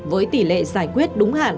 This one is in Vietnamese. với tỷ lệ giải quyết đúng hạn